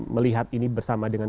melihat ini bersama dengan